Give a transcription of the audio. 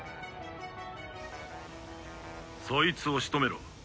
そいつを仕留めろ。